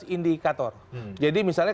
tujuh belas indikator jadi misalnya